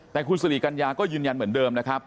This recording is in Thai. แต่คุณสิริกัญญาก็ยืนยันเหมือนเดิมนะครับ